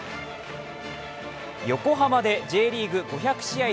横浜でＪリーグ５００試合